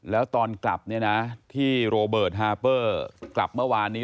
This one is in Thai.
แล้วตอนกลับเนี่ยนะที่โรเบิร์ตฮาเปอร์กลับเมื่อวานนี้